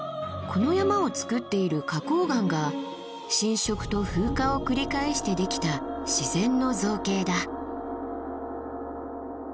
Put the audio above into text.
この山をつくっている花崗岩が浸食と風化を繰り返してできた自然の造形だ。